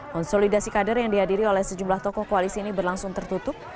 konsolidasi kader yang dihadiri oleh sejumlah tokoh koalisi ini berlangsung tertutup